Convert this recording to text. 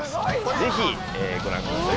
ぜひご覧ください。